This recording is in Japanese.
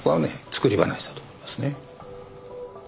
作り話だと思いますね。